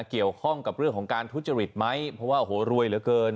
เกี่ยวข้องกับเรื่องของการทุจริตไหมเพราะว่าโอ้โหรวยเหลือเกิน